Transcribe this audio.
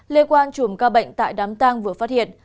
lê quang chủng ca bệnh tại đám tăng vừa phát hiện